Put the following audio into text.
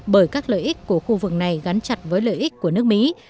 bởi các lợi ích của khu vực này gắn chặt với lợi ích của nước mỹ